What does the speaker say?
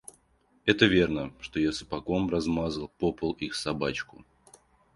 Это верно, что я сапогом размазал по полу их собачку.